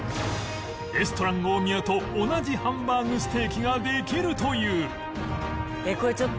レストラン大宮と同じハンバーグステーキができるという